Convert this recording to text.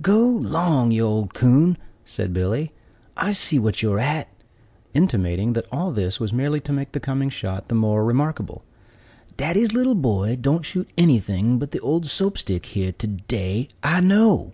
"Go 'long, you old coon!" said Billy; "I see what you're at;" intimating that all this was merely to make the coming shot the more remarkable. "Daddy's little boy don't shoot anything but the old Soap stick here to day, I know."